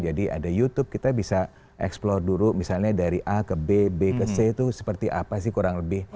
jadi ada youtube kita bisa explore dulu misalnya dari a ke b b ke c itu seperti apa sih kurang lebih